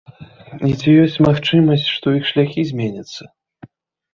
І ці ёсць магчымасць, што іх шляхі зменяцца.